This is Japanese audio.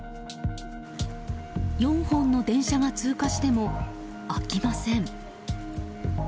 ４本の電車が通過しても開きません。